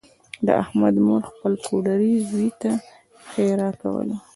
د احمد مور خپل پوډري زوی ته ښېرا کوله